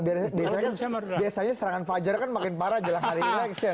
biasanya serangan fajar kan makin parah jelang hari eleksi